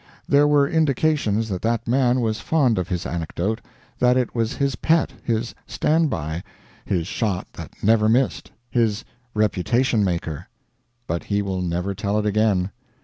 There were indications that that man was fond of his anecdote; that it was his pet, his standby, his shot that never missed, his reputation maker. But he will never tell it again.